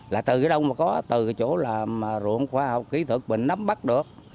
là từ cái đâu mà có từ cái chỗ là ruộng khoa học kỹ thuật mình nắm bắt được